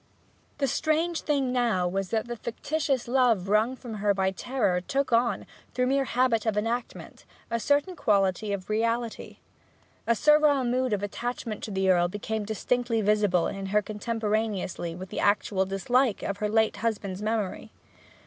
The strange thing now was that this fictitious love wrung from her by terror took on, through mere habit of enactment, a certain quality of reality. A servile mood of attachment to the Earl became distinctly visible in her contemporaneously with an actual dislike for her late husband's memory.